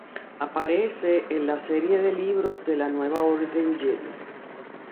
Aparece en la serie de libros de La Nueva Orden Jedi.